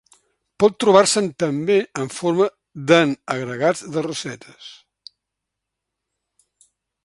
Pot trobar-se'n també en forma d'en agregats de rossetes.